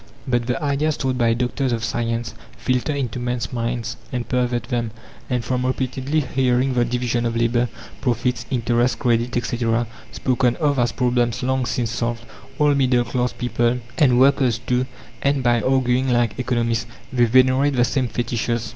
But the ideas taught by doctors of science filter into men's minds and pervert them; and from repeatedly hearing the division of labour, profits, interest, credit, etc., spoken of as problems long since solved, all middle class people, and workers too, end by arguing like economists; they venerate the same fetishes.